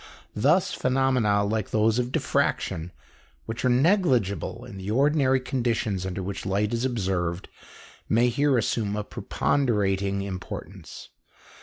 Thus phenomena like those of diffraction, which are negligible in the ordinary conditions under which light is observed, may here assume a preponderating importance.